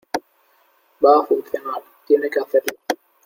va a funcionar. tiene que hacerlo .